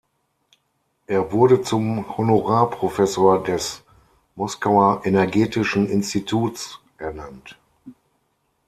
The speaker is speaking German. Er wurde zum Honorarprofessor des Moskauer Energetischen Instituts ernannt.